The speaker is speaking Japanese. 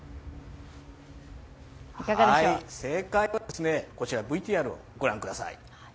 正解は、ＶＴＲをご覧ください。